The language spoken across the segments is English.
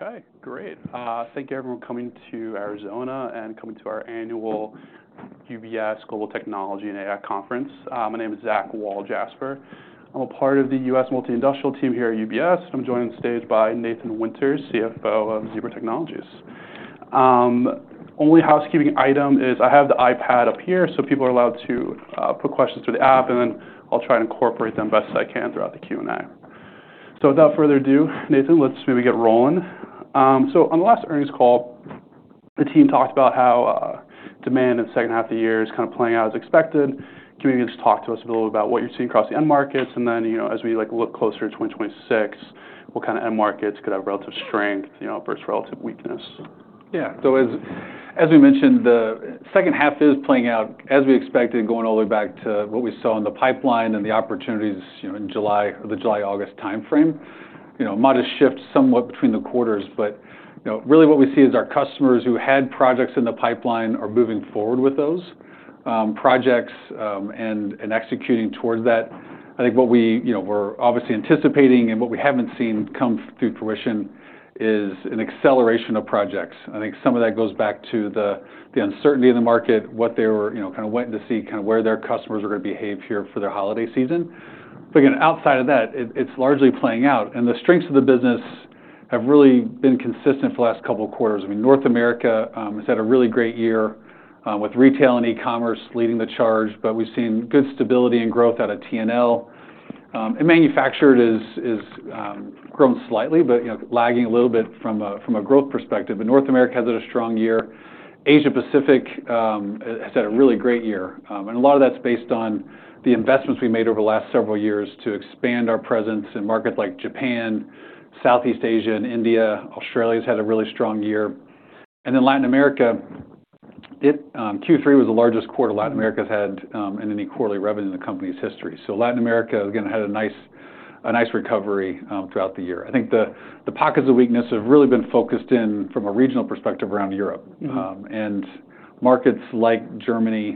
Okay, great. Thank you, everyone, for coming to Arizona and coming to our annual UBS Global Technology and AI Conference. My name is Zach Wall Jasper. I'm a part of the US Multi-Industrial Team here at UBS, and I'm joined on stage by Nathan Winters, CFO of Zebra Technologies. Only housekeeping item is I have the iPad up here, so people are allowed to put questions through the app, and then I'll try and incorporate them best I can throughout the Q&A. Without further ado, Nathan, let's maybe get rolling. On the last earnings call, the team talked about how demand in the second half of the year is kind of playing out as expected. Can you maybe just talk to us a little bit about what you're seeing across the end markets? As we look closer to 2026, what kind of end markets could have relative strength versus relative weakness? Yeah, as we mentioned, the second half is playing out as we expected, going all the way back to what we saw in the pipeline and the opportunities in the July-August timeframe. It might have shifted somewhat between the quarters, but really what we see is our customers who had projects in the pipeline are moving forward with those projects and executing towards that. I think what we were obviously anticipating and what we have not seen come to fruition is an acceleration of projects. I think some of that goes back to the uncertainty in the market, what they were kind of wanting to see, kind of where their customers were going to behave here for their holiday season. Again, outside of that, it is largely playing out, and the strengths of the business have really been consistent for the last couple of quarters. I mean, North America has had a really great year with retail and e-commerce leading the charge, but we've seen good stability and growth out of T&L. Manufactured has grown slightly, but lagging a little bit from a growth perspective. North America has had a strong year. Asia-Pacific has had a really great year, and a lot of that's based on the investments we made over the last several years to expand our presence in markets like Japan, Southeast Asia, and India. Australia has had a really strong year. Latin America, Q3 was the largest quarter Latin America has had in any quarterly revenue in the company's history. Latin America again had a nice recovery throughout the year. I think the pockets of weakness have really been focused in from a regional perspective around Europe. Markets like Germany,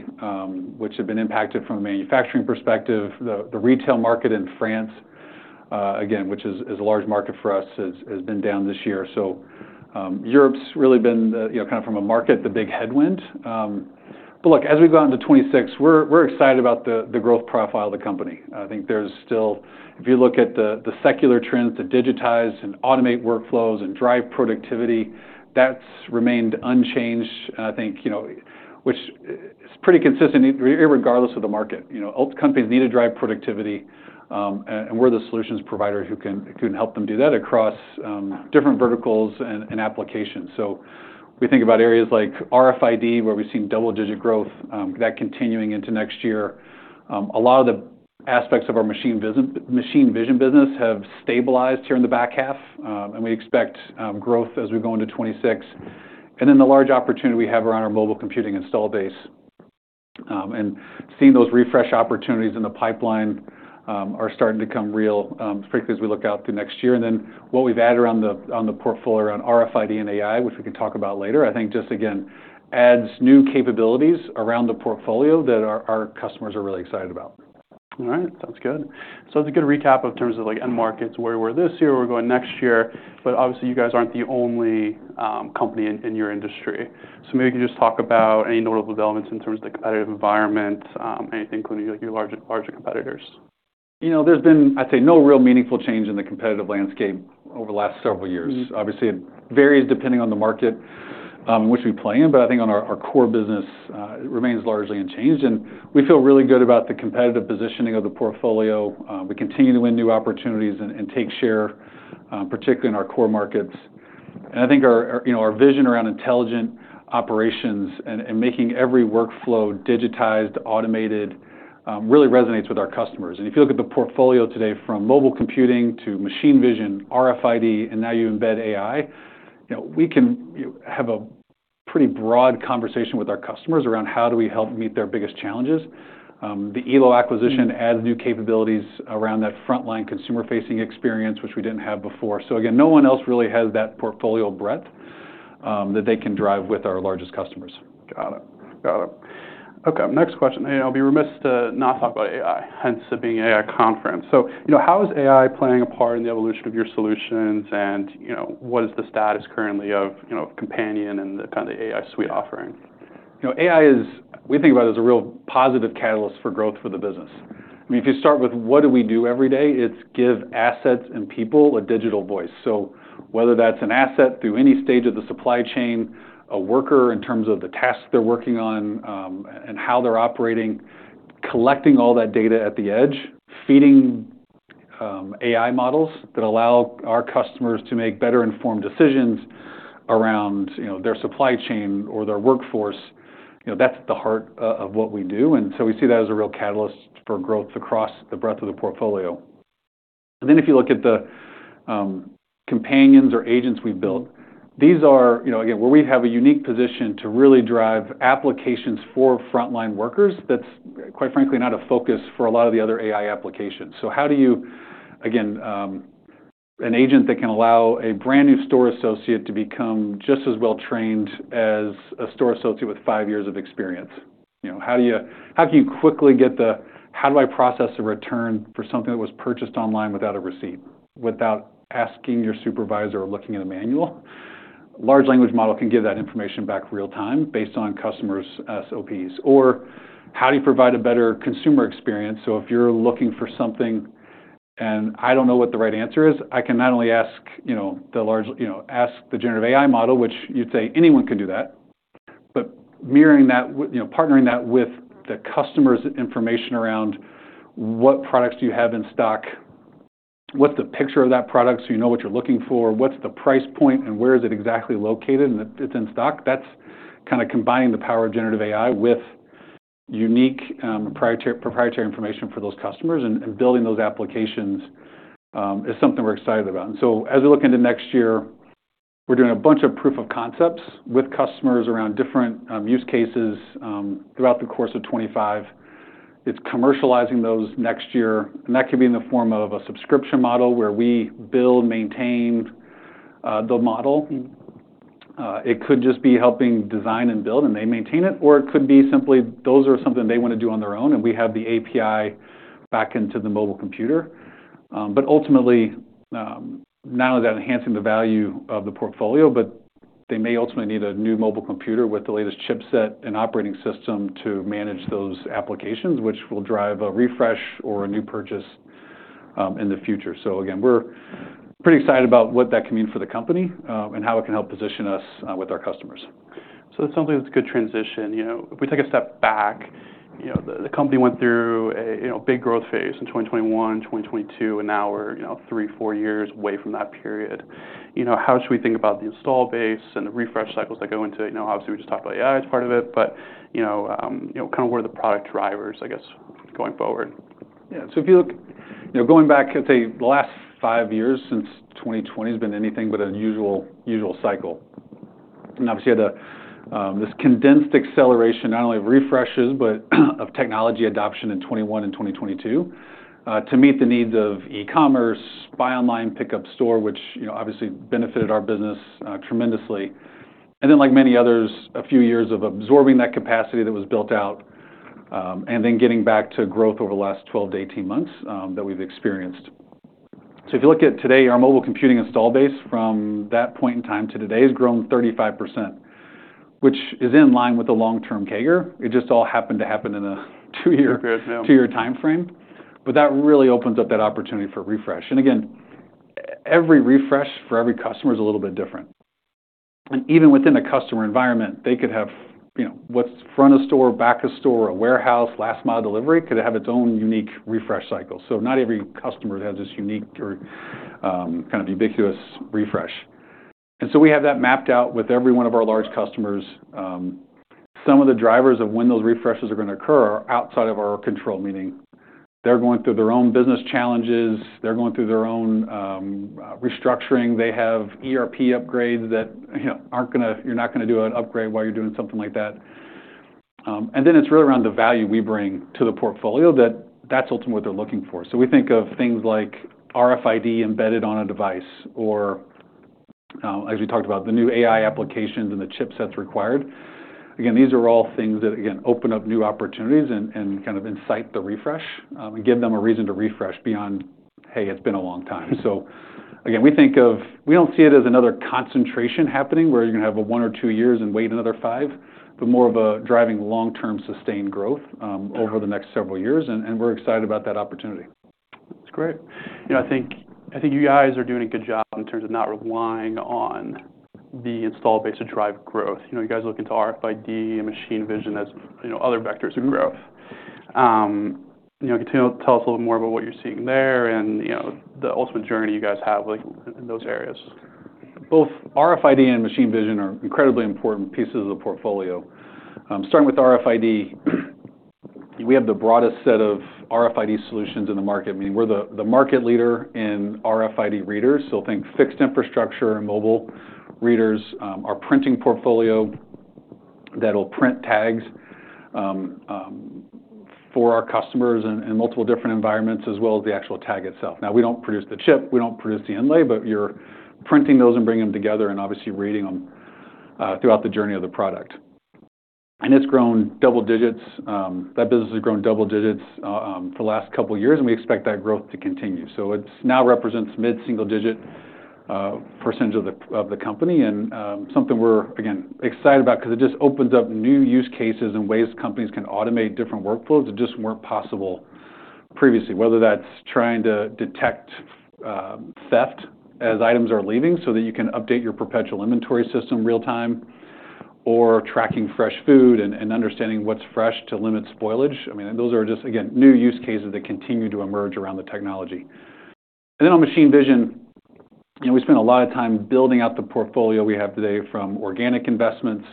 which have been impacted from a manufacturing perspective, the retail market in France, again, which is a large market for us, has been down this year. Europe's really been kind of from a market, the big headwind. Look, as we go out into 2026, we're excited about the growth profile of the company. I think there's still, if you look at the secular trends, to digitize and automate workflows and drive productivity, that's remained unchanged, I think, which is pretty consistent irregardless of the market. Companies need to drive productivity, and we're the solutions provider who can help them do that across different verticals and applications. We think about areas like RFID, where we've seen double-digit growth, that continuing into next year. A lot of the aspects of our machine vision business have stabilized here in the back half, and we expect growth as we go into 2026. The large opportunity we have around our mobile computing install base and seeing those refresh opportunities in the pipeline are starting to come real, particularly as we look out to next year. What we have added around the portfolio around RFID and AI, which we can talk about later, I think just again adds new capabilities around the portfolio that our customers are really excited about. All right, sounds good. That is a good recap in terms of end markets, where we were this year, where we are going next year. Obviously, you guys are not the only company in your industry. Maybe you could just talk about any notable developments in terms of the competitive environment, anything including your larger competitors. There's been, I'd say, no real meaningful change in the competitive landscape over the last several years. Obviously, it varies depending on the market in which we play in, but I think on our core business, it remains largely unchanged. We feel really good about the competitive positioning of the portfolio. We continue to win new opportunities and take share, particularly in our core markets. I think our vision around intelligent operations and making every workflow digitized, automated really resonates with our customers. If you look at the portfolio today from mobile computing to machine vision, RFID, and now you embed AI, we can have a pretty broad conversation with our customers around how do we help meet their biggest challenges. The Elo acquisition adds new capabilities around that frontline consumer-facing experience, which we did not have before. Again, no one else really has that portfolio breadth that they can drive with our largest customers. Got it. Got it. Okay, next question. I'd be remiss to not talk about AI, hence it being an AI conference. How is AI playing a part in the evolution of your solutions, and what is the status currently of Companion and the kind of AI suite offering? AI is, we think about it as a real positive catalyst for growth for the business. I mean, if you start with what do we do every day, it's give assets and people a digital voice. Whether that's an asset through any stage of the supply chain, a worker in terms of the tasks they're working on and how they're operating, collecting all that data at the edge, feeding AI models that allow our customers to make better-informed decisions around their supply chain or their workforce, that's the heart of what we do. We see that as a real catalyst for growth across the breadth of the portfolio. If you look at the companions or agents we've built, these are, again, where we have a unique position to really drive applications for frontline workers. That's, quite frankly, not a focus for a lot of the other AI applications. How do you, again, an agent that can allow a brand new store associate to become just as well-trained as a store associate with five years of experience? How can you quickly get the, how do I process a return for something that was purchased online without a receipt, without asking your supervisor or looking at a manual? Large language model can give that information back real-time based on customers' SOPs. How do you provide a better consumer experience? If you're looking for something and I don't know what the right answer is, I can not only ask the generative AI model, which you'd say anyone can do that, but mirroring that, partnering that with the customer's information around what products do you have in stock, what's the picture of that product so you know what you're looking for, what's the price point and where is it exactly located and it's in stock? That's kind of combining the power of generative AI with unique proprietary information for those customers and building those applications is something we're excited about. As we look into next year, we're doing a bunch of proof of concepts with customers around different use cases throughout the course of 2025. It's commercializing those next year. That could be in the form of a subscription model where we build, maintain the model. It could just be helping design and build and they maintain it. Or it could be simply those are something they want to do on their own and we have the API back into the mobile computer. Ultimately, not only is that enhancing the value of the portfolio, but they may ultimately need a new mobile computer with the latest chipset and operating system to manage those applications, which will drive a refresh or a new purchase in the future. Again, we're pretty excited about what that can mean for the company and how it can help position us with our customers. That is something that is a good transition. If we take a step back, the company went through a big growth phase in 2021, 2022, and now we are three, four years away from that period. How should we think about the install base and the refresh cycles that go into it? Obviously, we just talked about AI as part of it, but kind of what are the product drivers, I guess, going forward? Yeah, if you look, going back, I'd say the last five years since 2020 has been anything but an unusual cycle. Obviously, this condensed acceleration, not only of refreshes, but of technology adoption in 2021 and 2022 to meet the needs of e-commerce, buy online, pick up store, which obviously benefited our business tremendously. Like many others, a few years of absorbing that capacity that was built out and then getting back to growth over the last 12 months to 18 months that we've experienced. If you look at today, our mobile computing install base from that point in time to today has grown 35%, which is in line with the long-term CAGR. It just all happened to happen in a two-year time frame. That really opens up that opportunity for refresh. Again, every refresh for every customer is a little bit different. Even within a customer environment, they could have what's front of store, back of store, a warehouse, last mile delivery could have its own unique refresh cycle. Not every customer has this unique or kind of ubiquitous refresh. We have that mapped out with every one of our large customers. Some of the drivers of when those refreshes are going to occur are outside of our control, meaning they're going through their own business challenges. They're going through their own restructuring. They have ERP upgrades that aren't going to, you're not going to do an upgrade while you're doing something like that. It is really around the value we bring to the portfolio that that's ultimately what they're looking for. We think of things like RFID embedded on a device or, as we talked about, the new AI applications and the chipsets required. Again, these are all things that, again, open up new opportunities and kind of incite the refresh and give them a reason to refresh beyond, hey, it's been a long time. We think of, we don't see it as another concentration happening where you're going to have one or two years and wait another five, but more of a driving long-term sustained growth over the next several years. And we're excited about that opportunity. That's great. I think you guys are doing a good job in terms of not relying on the install base to drive growth. You guys are looking to RFID and machine vision as other vectors of growth. Can you tell us a little more about what you're seeing there and the ultimate journey you guys have in those areas? Both RFID and machine vision are incredibly important pieces of the portfolio. Starting with RFID, we have the broadest set of RFID solutions in the market, meaning we're the market leader in RFID readers. I think fixed infrastructure and mobile readers, our printing portfolio that will print tags for our customers in multiple different environments, as well as the actual tag itself. Now, we don't produce the chip, we don't produce the inlay, but you're printing those and bringing them together and obviously reading them throughout the journey of the product. It's grown double digits. That business has grown double digits for the last couple of years, and we expect that growth to continue. It now represents mid-single digit % of the company and something we're, again, excited about because it just opens up new use cases and ways companies can automate different workflows that just weren't possible previously, whether that's trying to detect theft as items are leaving so that you can update your perpetual inventory system real-time or tracking fresh food and understanding what's fresh to limit spoilage. I mean, those are just, again, new use cases that continue to emerge around the technology. On machine vision, we spend a lot of time building out the portfolio we have today from organic investments,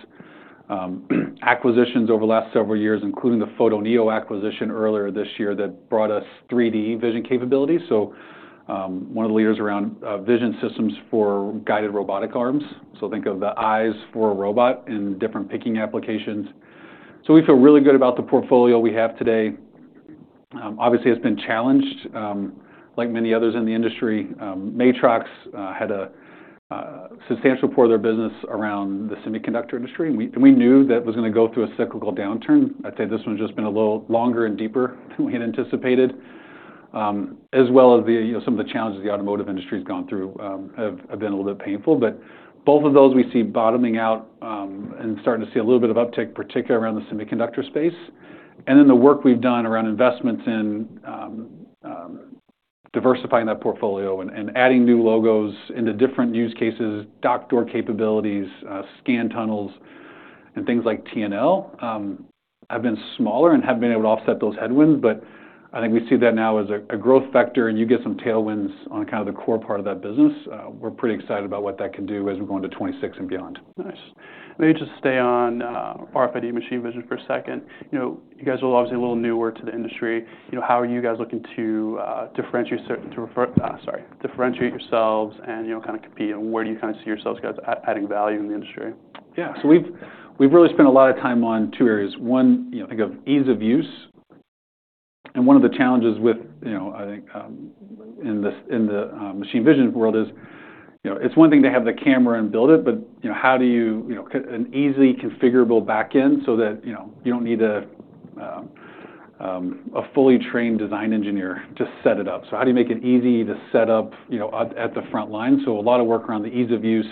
acquisitions over the last several years, including the Photoneo acquisition earlier this year that brought us 3D vision capabilities. One of the leaders around vision systems for guided robotic arms. Think of the eyes for a robot in different picking applications. We feel really good about the portfolio we have today. Obviously, it's been challenged, like many others in the industry. Matrox had a substantial part of their business around the semiconductor industry, and we knew that it was going to go through a cyclical downturn. I'd say this one has just been a little longer and deeper than we had anticipated, as well as some of the challenges the automotive industry has gone through have been a little bit painful. Both of those we see bottoming out and starting to see a little bit of uptake, particularly around the semiconductor space. The work we've done around investments in diversifying that portfolio and adding new logos into different use cases, dock door capabilities, scan tunnels, and things like TNL have been smaller and have been able to offset those headwinds. I think we see that now as a growth factor, and you get some tailwinds on kind of the core part of that business. We're pretty excited about what that can do as we go into 2026 and beyond. Nice. Maybe just stay on RFID machine vision for a second. You guys are obviously a little newer to the industry. How are you guys looking to differentiate yourselves and kind of compete? Where do you kind of see yourselves adding value in the industry? Yeah, so we've really spent a lot of time on two areas. One, think of ease of use. One of the challenges with, I think, in the machine vision world is it's one thing to have the camera and build it, but how do you get an easily configurable backend so that you don't need a fully trained design engineer to set it up? How do you make it easy to set up at the front line? A lot of work around the ease of use,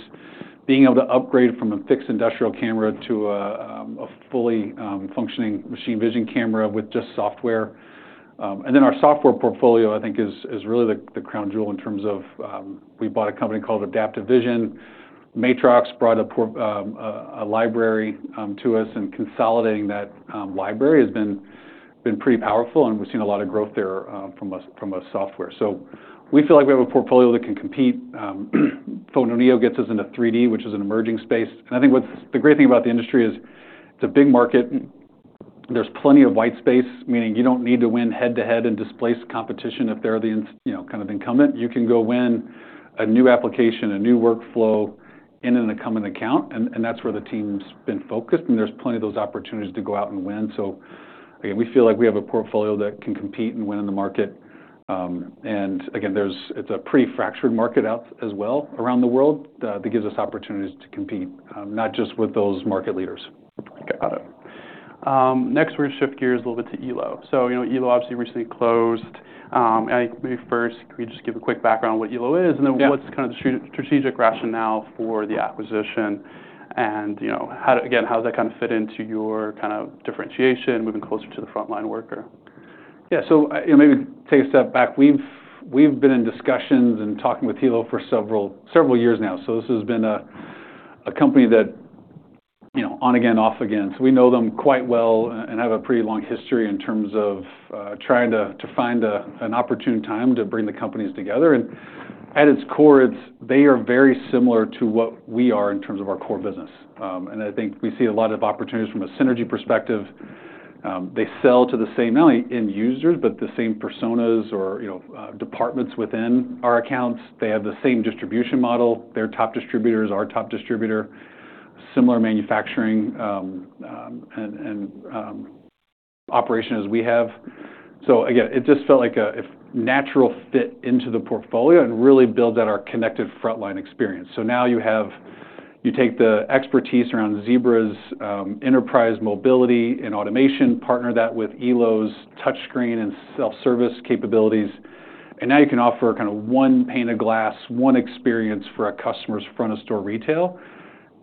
being able to upgrade from a fixed industrial camera to a fully functioning machine vision camera with just software. Our software portfolio, I think, is really the crown jewel in terms of we bought a company called Adaptive Vision. Matrox brought a library to us, and consolidating that library has been pretty powerful, and we've seen a lot of growth there from a software. We feel like we have a portfolio that can compete. Photoneo gets us into 3D, which is an emerging space. I think the great thing about the industry is it's a big market. There's plenty of white space, meaning you don't need to win head-to-head and displace competition if they're the kind of incumbent. You can go win a new application, a new workflow in an incumbent account, and that's where the team's been focused. There's plenty of those opportunities to go out and win. We feel like we have a portfolio that can compete and win in the market. It is a pretty fractured market as well around the world that gives us opportunities to compete, not just with those market leaders. Got it. Next, we're going to shift gears a little bit to Elo. So Elo obviously recently closed. Maybe first, can we just give a quick background on what Elo is and then what's kind of the strategic rationale for the acquisition? Again, how does that kind of fit into your kind of differentiation moving closer to the frontline worker? Yeah, maybe take a step back. We've been in discussions and talking with Elo for several years now. This has been a company that, on again, off again. We know them quite well and have a pretty long history in terms of trying to find an opportune time to bring the companies together. At its core, they are very similar to what we are in terms of our core business. I think we see a lot of opportunities from a synergy perspective. They sell to the same not only end users, but the same personas or departments within our accounts. They have the same distribution model. Their top distributors, our top distributor, similar manufacturing and operation as we have. It just felt like a natural fit into the portfolio and really builds out our connected frontline experience. You take the expertise around Zebra's enterprise mobility and automation, partner that with Elo's touchscreen and self-service capabilities. Now you can offer kind of one pane of glass, one experience for a customer's front of store retail,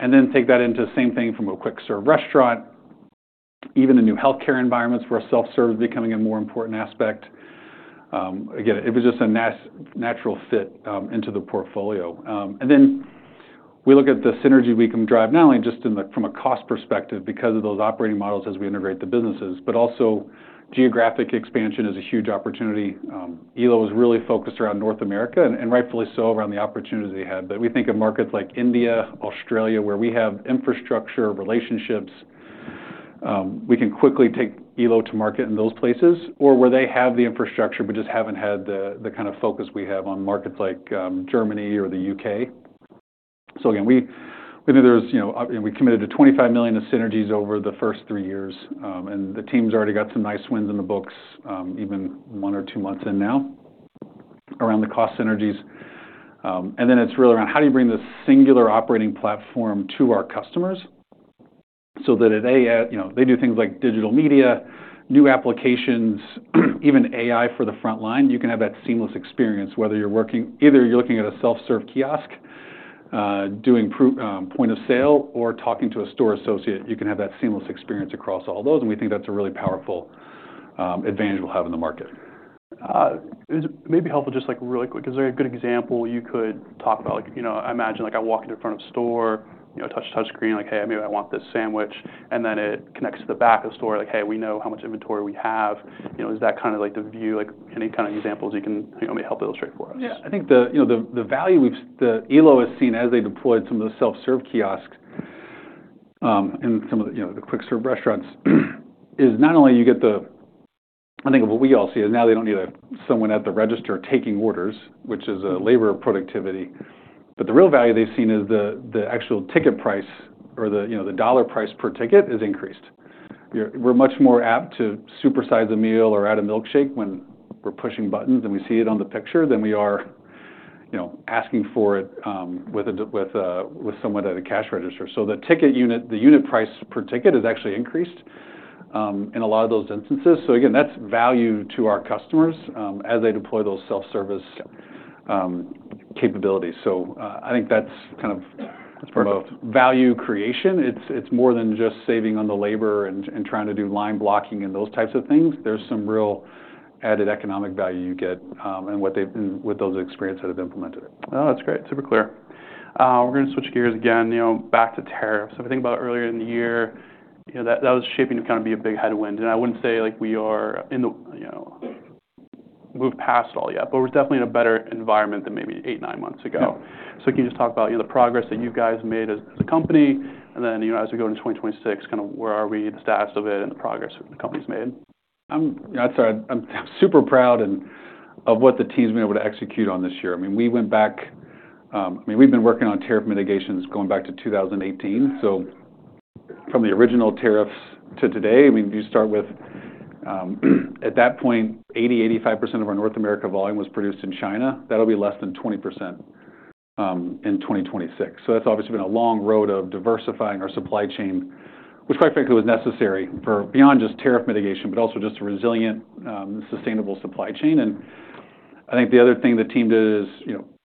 and then take that into the same thing from a quick-serve restaurant, even in new healthcare environments where self-service is becoming a more important aspect. Again, it was just a natural fit into the portfolio. We look at the synergy we can drive not only just from a cost perspective because of those operating models as we integrate the businesses, but also geographic expansion is a huge opportunity. Elo was really focused around North America and rightfully so around the opportunities they had. We think of markets like India, Australia, where we have infrastructure relationships. We can quickly take Elo to market in those places or where they have the infrastructure but just haven't had the kind of focus we have on markets like Germany or the U.K. We think there's, we committed to $25 million in synergies over the first three years, and the team's already got some nice wins in the books, even one or two months in now around the cost synergies. It is really around how do you bring the singular operating platform to our customers so that they do things like digital media, new applications, even AI for the front line. You can have that seamless experience whether you're looking at a self-serve kiosk doing point of sale or talking to a store associate. You can have that seamless experience across all those, and we think that's a really powerful advantage we'll have in the market. It may be helpful just like really quick, is there a good example you could talk about? I imagine I walk into front of store, touch the touchscreen, like, "hey, maybe I want this sandwich," and then it connects to the back of the store, like, "hey, we know how much inventory we have." Is that kind of like the view? Any kind of examples you can maybe help illustrate for us? Yeah, I think the value Elo has seen as they deployed some of the self-serve kiosks and some of the quick-serve restaurants is not only you get the, I think what we all see is now they do not need someone at the register taking orders, which is a labor of productivity. The real value they have seen is the actual ticket price or the dollar price per ticket has increased. We are much more apt to supersize a meal or add a milkshake when we are pushing buttons and we see it on the picture than we are asking for it with someone at a cash register. The ticket unit, the unit price per ticket has actually increased in a lot of those instances. That is value to our customers as they deploy those self-service capabilities. I think that is kind of value creation. It's more than just saving on the labor and trying to do line blocking and those types of things. There's some real added economic value you get in what those experiences have implemented. Oh, that's great. Super clear. We're going to switch gears again back to tariffs. If we think about earlier in the year, that was shaping to kind of be a big headwind. I wouldn't say we are in the we've passed it all yet, but we're definitely in a better environment than maybe eight, nine months ago. Can you just talk about the progress that you guys made as a company? As we go into 2026, kind of where are we, the status of it, and the progress the company's made? I'm super proud of what the team's been able to execute on this year. I mean, we went back, we've been working on tariff mitigations going back to 2018. From the original tariffs to today, you start with at that point, 80-85% of our North America volume was produced in China. That'll be less than 20% in 2026. That's obviously been a long road of diversifying our supply chain, which quite frankly was necessary for beyond just tariff mitigation, but also just a resilient, sustainable supply chain. I think the other thing the team did is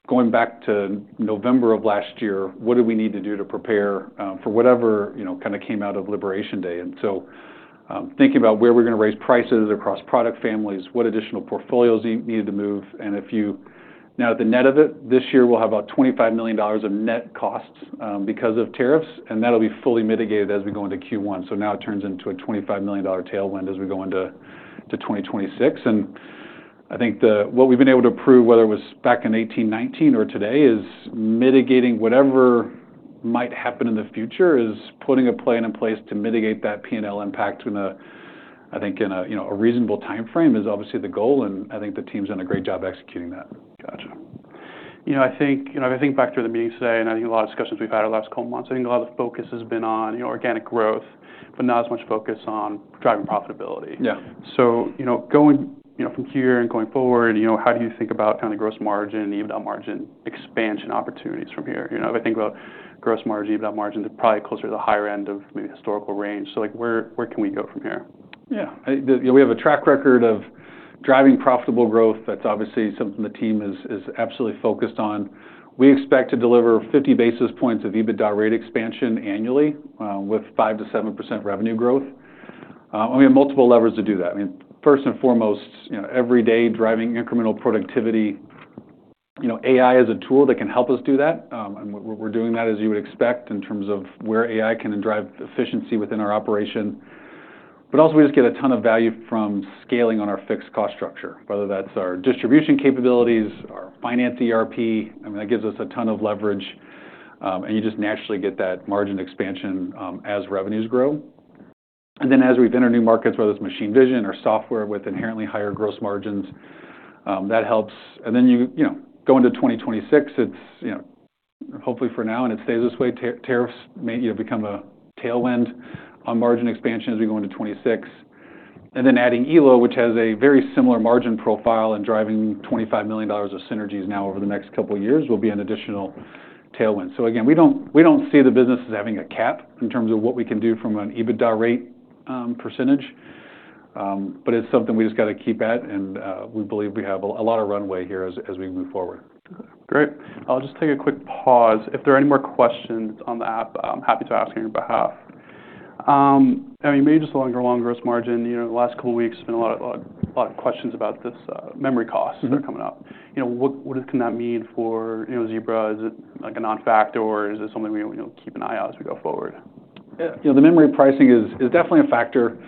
going back to November of last year, what do we need to do to prepare for whatever kind of came out of Liberation Day? Thinking about where we're going to raise prices across product families, what additional portfolios needed to move. If you now look at the net of it, this year we'll have about $25 million of net costs because of tariffs, and that'll be fully mitigated as we go into Q1. It turns into a $25 million tailwind as we go into 2026. I think what we've been able to prove, whether it was back in 2018, 2019 or today, is mitigating whatever might happen in the future is putting a plan in place to mitigate that P&L impact in a, I think, in a reasonable timeframe is obviously the goal. I think the team's done a great job executing that. Gotcha. I think if I think back through the meetings today and I think a lot of discussions we've had over the last couple of months, I think a lot of the focus has been on organic growth, but not as much focus on driving profitability. Going from here and going forward, how do you think about kind of the gross margin, EBITDA margin expansion opportunities from here? If I think about gross margin, EBITDA margin, they're probably closer to the higher end of maybe historical range. Where can we go from here? Yeah. We have a track record of driving profitable growth. That's obviously something the team is absolutely focused on. We expect to deliver 50 basis points of EBITDA rate expansion annually with 5% to 7% revenue growth. We have multiple levers to do that. I mean, first and foremost, every day driving incremental productivity. AI is a tool that can help us do that. We're doing that, as you would expect, in terms of where AI can drive efficiency within our operation. We just get a ton of value from scaling on our fixed cost structure, whether that's our distribution capabilities, our finance ERP. I mean, that gives us a ton of leverage, and you just naturally get that margin expansion as revenues grow. As we've entered new markets, whether it's machine vision or software with inherently higher gross margins, that helps. Going to 2026, it's hopefully for now, and it stays this way. Tariffs may become a tailwind on margin expansion as we go into 2026. Adding Elo, which has a very similar margin profile and driving $25 million of synergies now over the next couple of years, will be an additional tailwind. We do not see the business as having a cap in terms of what we can do from an EBITDA rate percentage, but it's something we just got to keep at. We believe we have a lot of runway here as we move forward. Great. I'll just take a quick pause. If there are any more questions on the app, I'm happy to ask on your behalf. I mean, maybe just a longer on gross margin. The last couple of weeks, there's been a lot of questions about this memory costs that are coming up. What can that mean for Zebra? Is it like a non-factor, or is it something we keep an eye on as we go forward? The memory pricing is definitely a factor.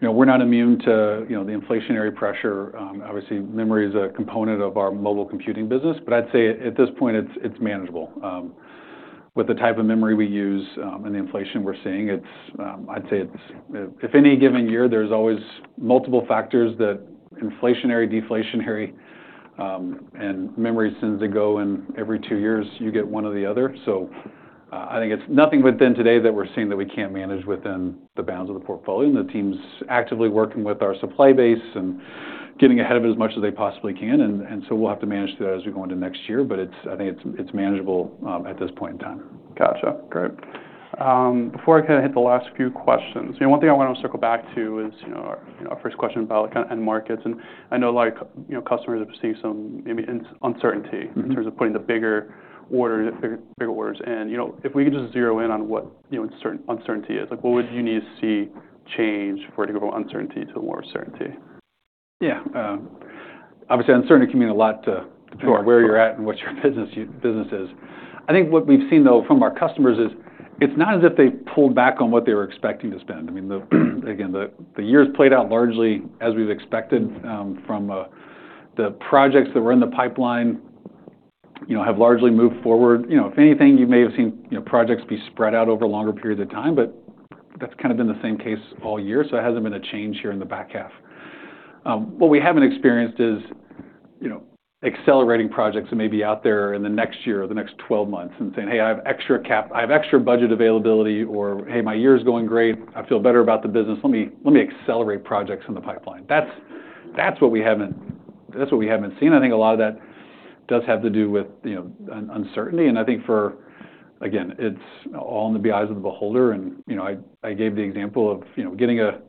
We're not immune to the inflationary pressure. Obviously, memory is a component of our mobile computing business, but I'd say at this point, it's manageable. With the type of memory we use and the inflation we're seeing, I'd say if any given year, there's always multiple factors that are inflationary, deflationary, and memory tends to go, and every two years, you get one or the other. I think it's nothing within today that we're seeing that we can't manage within the bounds of the portfolio. The team's actively working with our supply base and getting ahead of it as much as they possibly can. We'll have to manage through that as we go into next year, but I think it's manageable at this point in time. Gotcha. Great. Before I kind of hit the last few questions, one thing I want to circle back to is our first question about kind of end markets. I know customers are seeing some uncertainty in terms of putting the bigger orders in. If we can just zero in on what uncertainty is, what would you need to see change for it to go from uncertainty to more certainty? Yeah. Obviously, uncertainty can mean a lot to where you're at and what your business is. I think what we've seen, though, from our customers is it's not as if they pulled back on what they were expecting to spend. I mean, again, the year has played out largely as we've expected from the projects that were in the pipeline have largely moved forward. If anything, you may have seen projects be spread out over longer periods of time, but that's kind of been the same case all year. It hasn't been a change here in the back half. What we haven't experienced is accelerating projects that may be out there in the next year or the next 12 months and saying, "hey, I have extra budget availability," or, "hey, my year is going great. I feel better about the business. Let me accelerate projects in the pipeline. That's what we haven't seen. I think a lot of that does have to do with uncertainty. I think for, again, it's all in the eyes of the beholder. I gave the example of getting a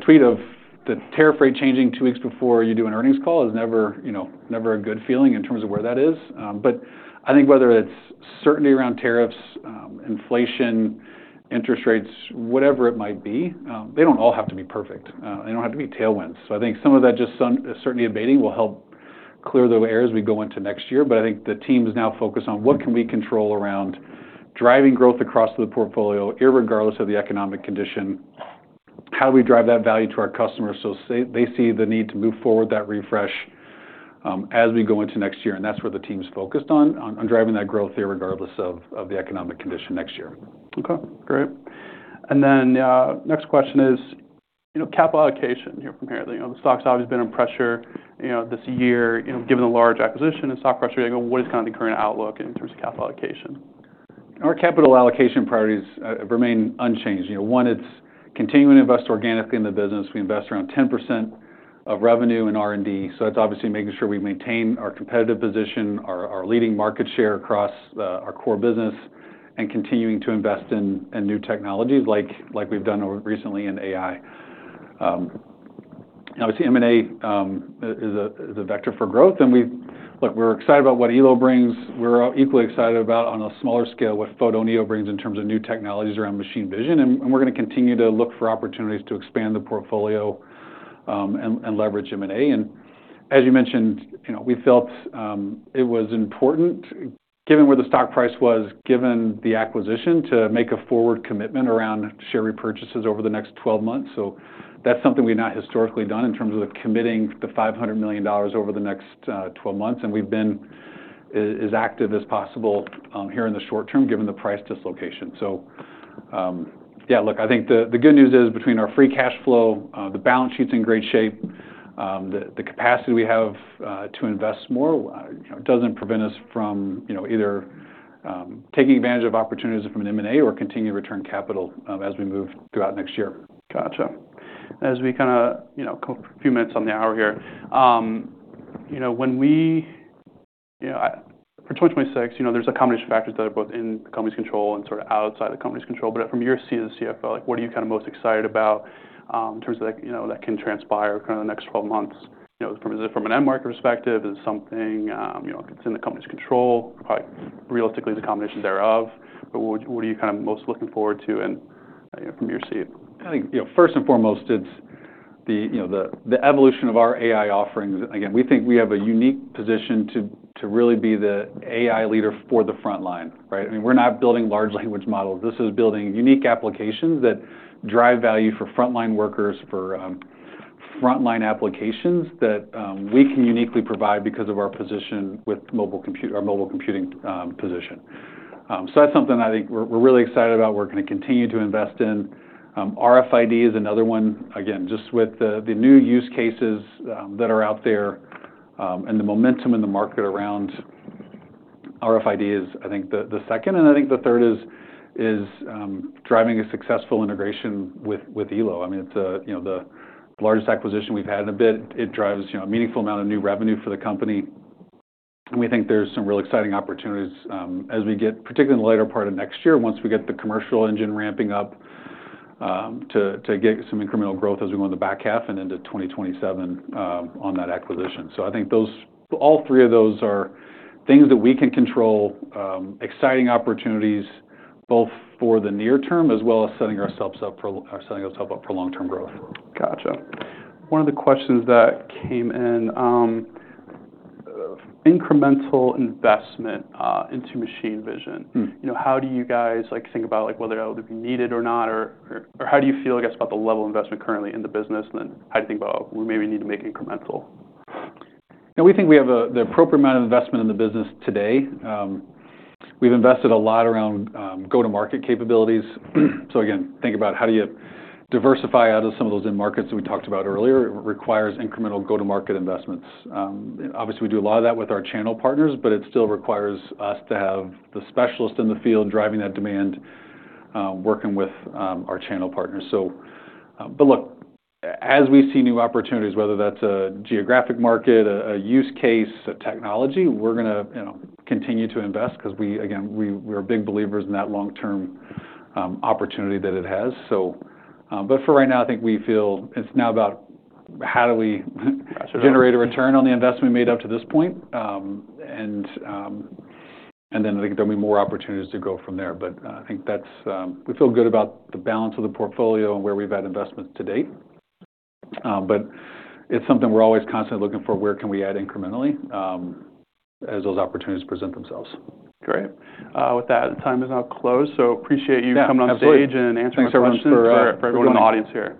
Tweet of the tariff rate changing two weeks before you do an earnings call is never a good feeling in terms of where that is. I think whether it's certainty around tariffs, inflation, interest rates, whatever it might be, they don't all have to be perfect. They don't have to be tailwinds. I think some of that just certainty abating will help clear the air as we go into next year. I think the team's now focused on what can we control around driving growth across the portfolio irregardless of the economic condition. How do we drive that value to our customers so they see the need to move forward that refresh as we go into next year? That is where the team's focused on, on driving that growth regardless of the economic condition next year. Okay. Great. Next question is capital allocation here from here. The stock's obviously been in pressure this year. Given the large acquisition and stock pressure, what is kind of the current outlook in terms of capital allocation? Our capital allocation priorities remain unchanged. One, it's continuing to invest organically in the business. We invest around 10% of revenue in R&D. That's obviously making sure we maintain our competitive position, our leading market share across our core business, and continuing to invest in new technologies like we've done recently in AI. M&A is a vector for growth. We're excited about what Elo brings. We're equally excited about on a smaller scale what Photoneo brings in terms of new technologies around machine vision. We're going to continue to look for opportunities to expand the portfolio and leverage M&A. As you mentioned, we felt it was important, given where the stock price was, given the acquisition, to make a forward commitment around share repurchases over the next 12 months. That's something we've not historically done in terms of committing the $500 million over the next 12 months. We've been as active as possible here in the short term given the price dislocation. Yeah, look, I think the good news is between our free cash flow, the balance sheet's in great shape, the capacity we have to invest more doesn't prevent us from either taking advantage of opportunities from an M&A or continuing to return capital as we move throughout next year. Gotcha. As we kind of a few minutes on the hour here, when we for 2026, there's a combination of factors that are both in the company's control and sort of outside the company's control. From your seat as a CFO, what are you kind of most excited about in terms of that can transpire kind of the next 12 months? Is it from an end market perspective? Is it something that's in the company's control? Probably realistically, it's a combination thereof. What are you kind of most looking forward to from your seat? I think first and foremost, it's the evolution of our AI offerings. Again, we think we have a unique position to really be the AI leader for the front line, right? I mean, we're not building large language models. This is building unique applications that drive value for frontline workers, for frontline applications that we can uniquely provide because of our position with our mobile computing position. So that's something that I think we're really excited about. We're going to continue to invest in RFID is another one. Again, just with the new use cases that are out there and the momentum in the market around RFID is, I think, the second. I think the third is driving a successful integration with Elo. I mean, it's the largest acquisition we've had in a bit. It drives a meaningful amount of new revenue for the company. We think there's some real exciting opportunities as we get, particularly in the later part of next year, once we get the commercial engine ramping up to get some incremental growth as we go into the back half and into 2027 on that acquisition. I think all three of those are things that we can control, exciting opportunities both for the near term as well as setting ourselves up for long-term growth. Gotcha. One of the questions that came in, incremental investment into machine vision. How do you guys think about whether that would be needed or not? Or how do you feel, I guess, about the level of investment currently in the business? How do you think about we maybe need to make incremental? We think we have the appropriate amount of investment in the business today. We've invested a lot around go-to-market capabilities. Again, think about how do you diversify out of some of those end markets that we talked about earlier. It requires incremental go-to-market investments. Obviously, we do a lot of that with our channel partners, but it still requires us to have the specialists in the field driving that demand, working with our channel partners. Look, as we see new opportunities, whether that's a geographic market, a use case, a technology, we're going to continue to invest because, again, we are big believers in that long-term opportunity that it has. For right now, I think we feel it's now about how do we generate a return on the investment we made up to this point. I think there'll be more opportunities to go from there. I think we feel good about the balance of the portfolio and where we've had investments to date. It's something we're always constantly looking for, where can we add incrementally as those opportunities present themselves? Great. With that, time is now closed. Appreciate you coming on stage and answering questions for everyone in the audience.